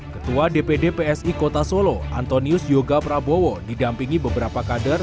ketua dpd psi kota solo antonius yoga prabowo didampingi beberapa kader